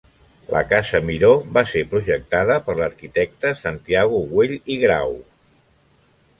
La Casa Miró va ser projectada per l'arquitecte Santiago Güell i Grau.